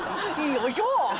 よいしょ！